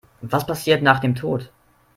Was passiert nach dem Tod?